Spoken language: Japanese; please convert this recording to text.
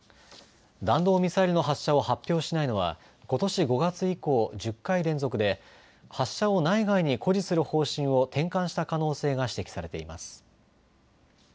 弾道ミサイルの発射を発表しないのはことし５月以降１０回連続で発射を内外に誇示する方針を転換した可能性が指摘されています。